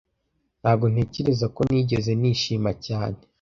Ntago ntekereza ko nigeze nishima cyane